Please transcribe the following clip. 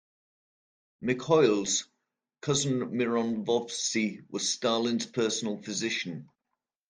Mikhoels' cousin Miron Vovsi was Stalin's personal physician.